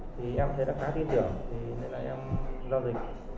thì em thấy đã khá tin tưởng thế là em lo gì